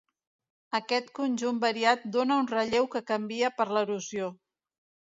Aquest conjunt variat dóna un relleu que canvia per l'erosió.